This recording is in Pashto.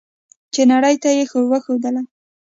چې نړۍ ته یې وښودله.